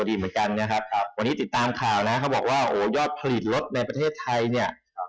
เหมือนกันนะครับวันนี้ติดตามข่าวนะเขาบอกว่าโอยอดผลิตลดมาภาษาไทยเนี่ย